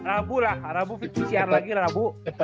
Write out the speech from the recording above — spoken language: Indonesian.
rabu lah rabu pcr lagi rabu